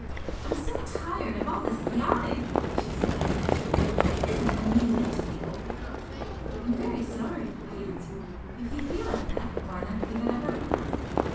"I'm so tired of all this yachting!" she said, peevishly. "It isn't amusing to me!" "I'm very sorry!" I answered; "If you feel like that, why not give it up at once?"